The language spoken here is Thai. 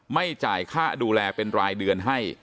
ไม่จ่ายค่าดูแลเป็นรายเดือนให้